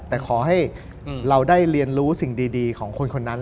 แต่ขอให้เราได้เรียนรู้สิ่งดีของคนคนนั้น